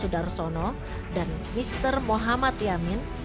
dr sono dan mister muhammad yamin